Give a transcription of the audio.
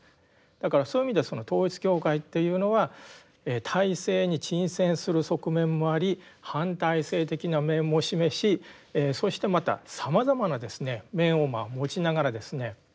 だからそういう意味では統一教会っていうのは体制に沈潜する側面もあり反体制的な面も示しそしてまたさまざまな面を持ちながらですね